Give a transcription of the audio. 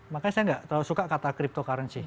makanya saya nggak terlalu suka kata cryptocurrency